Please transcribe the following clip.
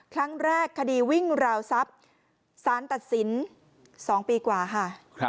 ครั้งแรกคดีวิ่งราวทรัพย์สารตัดสิน๒ปีกว่าค่ะ